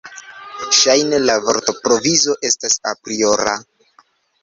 Ŝajne la vortprovizo estas apriora.